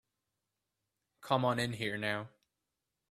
Come on in here now.